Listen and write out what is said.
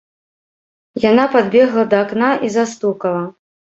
Яна падбегла да акна і застукала.